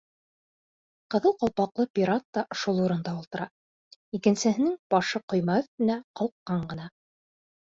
Ҡыҙыл ҡалпаҡлы пират та шул урында ултыра, икенсеһенең башы ҡойма өҫтөнә ҡалҡҡан ғына.